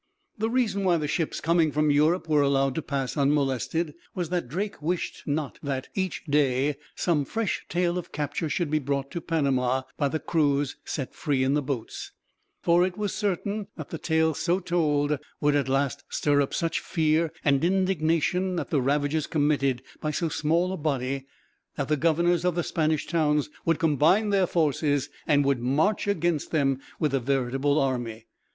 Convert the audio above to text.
The reason why the ships coming from Europe were allowed to pass, unmolested, was that Drake wished not that, each day, some fresh tale of capture should be brought to Panama by the crews set free in the boats; for it was certain that the tale so told would, at last, stir up such fear and indignation at the ravages committed by so small a body, that the governors of the Spanish towns would combine their forces, and would march against them with a veritable army.